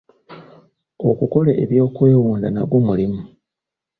Okukola ebyokwewunda nagwo mulimu.